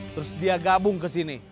terus dia gabung kesini